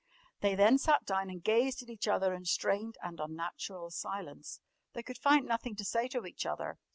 They then sat down and gazed at each other in strained and unnatural silence. They could find nothing to say to each other.